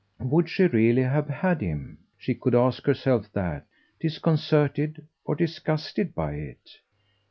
Would she really have had him she could ask herself that disconcerted or disgusted by it?